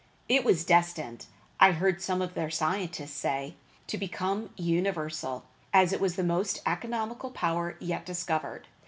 It was destined, I heard some of their scientists say, to become universal, as it was the most economical power yet discovered.